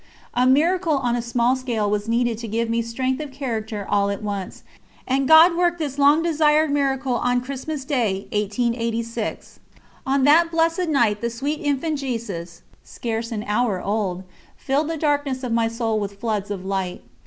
A miracle on a small scale was needed to give me strength of character all at once, and God worked this long desired miracle on Christmas Day, 1886. On that blessed night the sweet Infant Jesus, scarce an hour old, filled the darkness of my soul with floods of light.